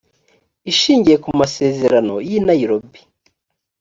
ishingiye ku masezerano y i nairobi